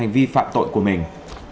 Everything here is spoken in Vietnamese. vì phạm tội của mình